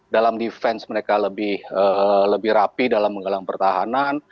dalam defense mereka lebih rapi dalam menggalang pertahanan